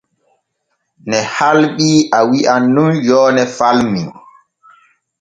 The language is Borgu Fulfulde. Ne halɓi a wi’an nun yoone falmi.